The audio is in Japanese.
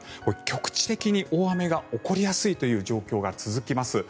局地的に大雨が起こりやすいという状況が続きます。